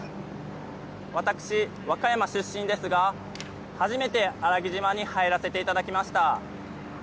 私、和歌山出身ですが初めて、あらぎ島に入らせていただきました。